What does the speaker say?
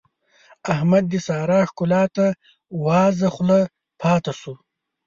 احمد د سارا ښکلا ته وازه خوله پاته شو.